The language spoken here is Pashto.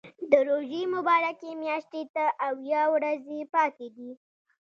د روژې مبارکې میاشتې ته اویا ورځې پاتې دي.